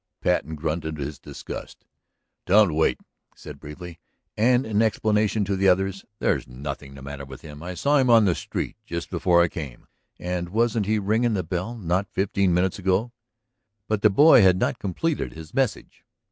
Patten grunted his disgust. "Tell him to wait," he said briefly. And, in explanation to the others: "There's nothing the matter with him. I saw him on the street just before I came. And wasn't he ringing his bell not fifteen minutes ago?" But the boy had not completed his message.